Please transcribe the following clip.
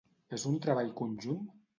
És un treball conjunt?